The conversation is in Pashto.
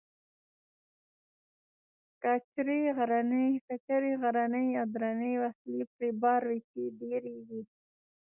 کچرې غرنۍ او درنې وسلې پرې بار وې، چې ډېرې وې.